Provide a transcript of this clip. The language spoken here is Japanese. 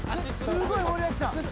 ・すごい森脇さん。